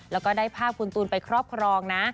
แล้วก็ได้ภาพคุณตูนไปครอบครองนะ